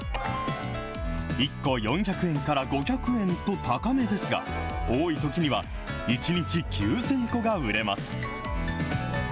１個４００円から５００円と高めですが、多いときには１日９０００個が売れます。